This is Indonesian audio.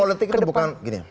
politik itu bukan gini ya